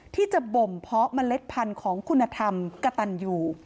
ที่จะบ่มเพาะเมล็ดพันธุ์ของคุณธรรมกะตันอยู่